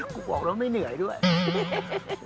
กูบอกแล้วไม่เหนื่อยด้วย